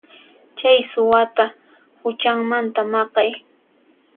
Chay suwata huchanmanta maqay.